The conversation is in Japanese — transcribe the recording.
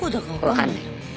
分かんない。